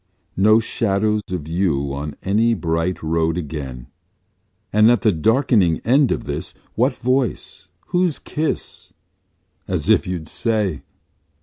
No shadow of you on any bright road again, And at the darkening end of this what voice? whose kiss? As if you'd say!